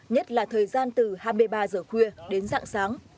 nhất là thời gian từ hai mươi ba giờ khuya đến dạng sáng